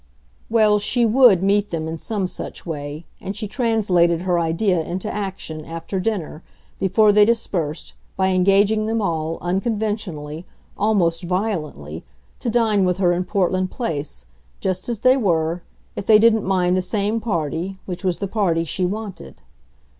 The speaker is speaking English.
Well, she WOULD meet them in some such way, and she translated her idea into action, after dinner, before they dispersed, by engaging them all, unconventionally, almost violently, to dine with her in Portland Place, just as they were, if they didn't mind the same party, which was the party she wanted.